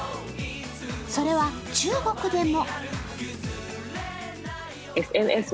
それは、中国でも。